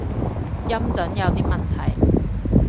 音準有啲問題